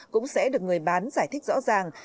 cũng sẽ được người bán giải thích rõ ràng